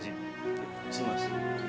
terima kasih mas